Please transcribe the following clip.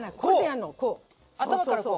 頭からこう？